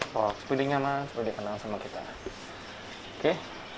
supaya dia nyaman supaya dia kenal sama kita oke